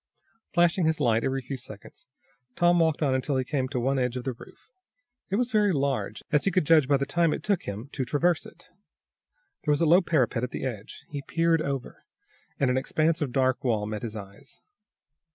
Flashing his light every few seconds, Tom walked on until he came to one edge of the roof. It was very large, as he could judge by the time it took him to traverse it. There was a low parapet at the edge. He peered over, and an expanse of dark wall met his eyes.